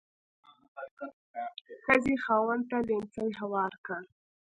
ښځې یې خاوند ته لیهمڅی هوار کړ.